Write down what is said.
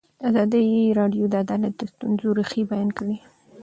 ازادي راډیو د عدالت د ستونزو رېښه بیان کړې.